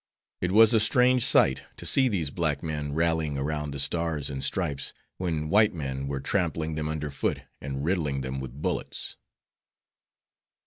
It was a strange sight to see these black men rallying around the Stars and Stripes, when white men were trampling them under foot and riddling them with bullets.